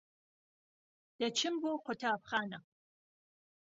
دەچم بۆ قوتابخانە.